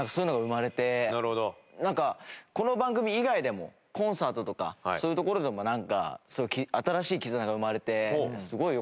なんかこの番組以外でもコンサートとかそういうところでも新しい絆が生まれてすごい良かったなって。